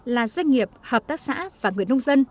là doanh nghiệp hợp tác xã và người nông dân